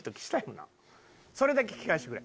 それだけ聞かせてくれ。